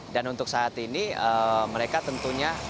dan untuk saat ini mereka tentunya